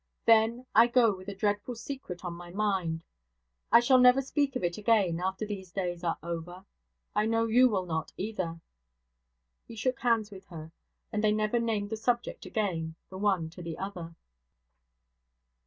Then I go with a dreadful secret on my mind. I shall never speak of it again, after these days are over. I know you will not, either.' He shook hands with her; and they never named the subject again, the one to the other.